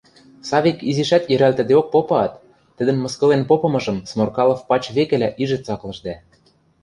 Савик изишӓт йӹрӓлтӹдеок попаат, тӹдӹн мыскылен попымыжым Сморкалов пач векӹлӓ ижӹ цаклыш дӓ: